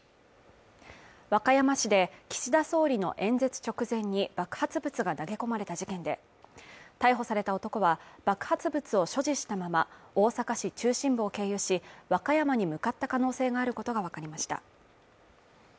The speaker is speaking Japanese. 和歌山市で岸田総理の演説直前に爆発物が投げ込まれた事件で、逮捕された男は爆発物を所持したまま、大阪市中心部を経由し、和歌山に向かった可能性があることがわかりました。